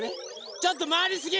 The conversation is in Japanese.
ちょっとまわりすぎ！